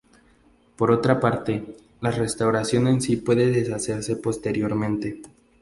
Por otra parte, la restauración en sí puede deshacerse posteriormente.